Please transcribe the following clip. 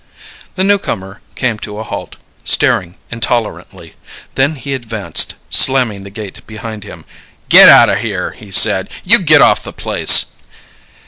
The newcomer came to a halt, staring intolerantly. Then he advanced, slamming the gate behind him. "Get out o' here!" he said. "You get off the place!"